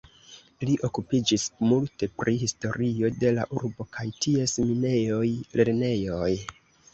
Li okupiĝis multe pri historio de la urbo kaj ties minejoj, lernejoj.